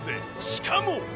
しかも。